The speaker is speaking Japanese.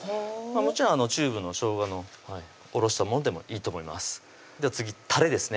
もちろんチューブのしょうがのおろしたものでもいいと思いますでは次たれですね